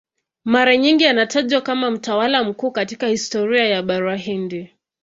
Mara nyingi anatajwa kama mtawala mkuu katika historia ya Bara Hindi.